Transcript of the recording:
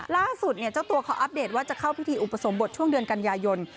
ล่าสุดเจ้าตัวเขาอัปเดตว่าจะเข้าพิธีอุปสมบทช่วงเดือนกันยายน